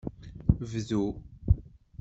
Bdu.